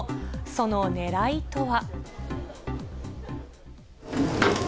そのねらいとは。